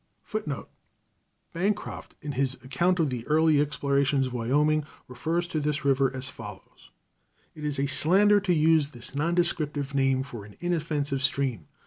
[Footnote A: Bancroft, in his account of the early explorations of Wyoming, refers to this river as follows: "It is a slander to use this non descriptive name for an inoffensive stream.